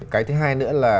cái thứ hai nữa là